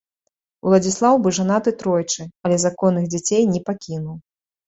Уладзіслаў быў жанаты тройчы, але законных дзяцей не пакінуў.